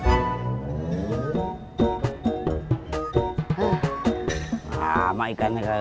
ah sama ikannya